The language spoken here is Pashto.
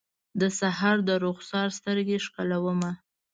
د سحر درخسار سترګې ښکلومه